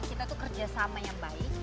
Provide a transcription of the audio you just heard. kita tuh kerja sama yang baik